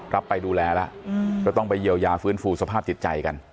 รับไปดูแลแล้วก็ต้องไปเยียวยาฟื้นฟูสภาพจิตใจกัน